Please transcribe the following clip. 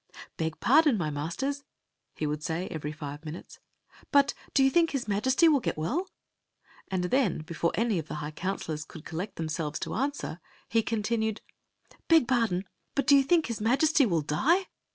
"Beg pardon, my masters," he would say every five minutes, " but do you think his Majesty will get Story of the Magic Cloak ^ 19 well?" And then, before any of the high counselors could collect themselves to answer, he continued: " Beg pardon, but do you think his Majesty will die